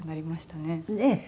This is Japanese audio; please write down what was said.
ねえ。